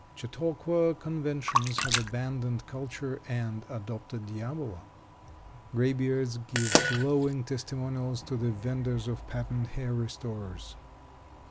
Chautauqua conventions have abandoned culture and adopted diabolo. Graybeards give glowing testimonials to the venders of patent hair restorers.